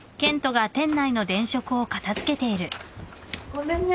ごめんね。